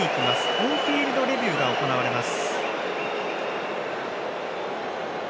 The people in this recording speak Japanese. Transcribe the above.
オンフィールドレビューが行われます。